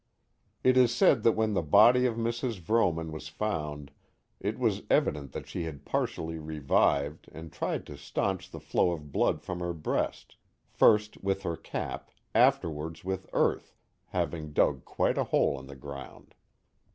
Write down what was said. It is said that when the body of Mrs. Vrooman was found, it was evident that she had partially revived and tried to staunch the flow of blood from her breast, first with her cap, afterwards with earth, having dug quite a hole in the ground.